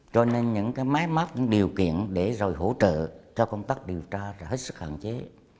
cho nên những cái máy móc những điều kiện để rồi hỗ trợ cho công tác điều tra là hết sức hạn chế